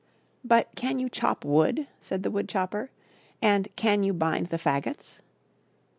" But can you chop wood ?*' said the wood chopper, " and can you bind the fagots?"